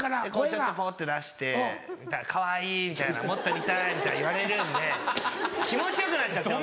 ちょっとポッて出して「かわいい」みたいな「もっと見たい」みたいな言われるんで気持ちよくなっちゃって。